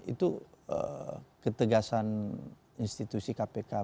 itu ketegasan institusi kpk